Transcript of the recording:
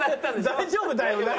大丈夫だよな？